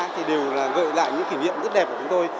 thì đều là gợi lại những kỷ niệm rất đẹp của chúng tôi